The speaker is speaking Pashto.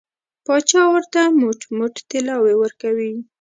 پاچا ورته موټ موټ طلاوې ورکوي.